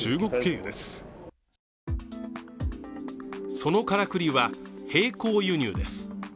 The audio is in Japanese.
そのからくりは、並行輸入です。